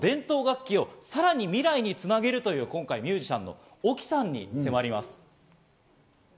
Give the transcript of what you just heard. これをさらに未来につなげるという今回、ミュージシャンのＯＫＩさんに迫ります。